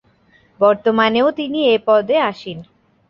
বর্তমানেও তিনি এ পদে আসীন।